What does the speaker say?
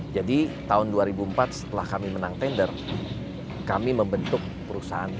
jadi tahun dua ribu empat setelah kami menang tender kami membentuk perusahaan kcn ini